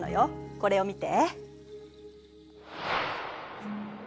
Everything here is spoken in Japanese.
これを見て。